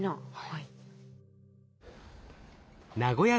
はい。